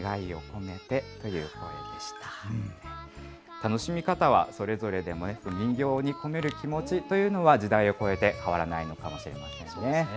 楽しみ方はそれぞれで人形に込める気持ちというのは変わらないかもしれませんね。